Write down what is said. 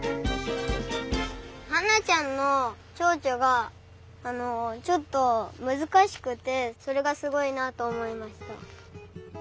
ハンナちゃんのチョウチョがちょっとむずかしくてそれがすごいなとおもいました。